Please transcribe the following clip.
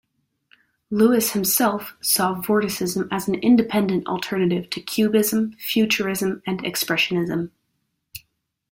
Lewis himself saw Vorticism as an independent alternative to Cubism, Futurism and Expressionism.